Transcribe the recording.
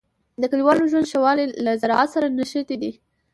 د کلیوالو ژوند ښه والی له زراعت سره نښتی دی.